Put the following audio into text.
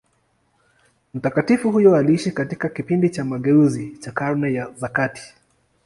Mtakatifu huyo aliishi katika kipindi cha mageuzi cha Karne za kati.